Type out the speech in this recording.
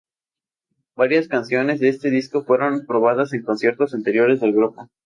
Varias canciones de este disco fueron probadas en conciertos anteriores del grupo.